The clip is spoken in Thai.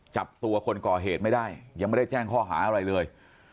จับตัวคนก่อเหตุไม่ได้ยังไม่ได้แจ้งข้อหาอะไรเลย